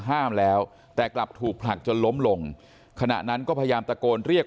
ห้ามแล้วแต่กลับถูกผลักจนล้มลงขณะนั้นก็พยายามตะโกนเรียก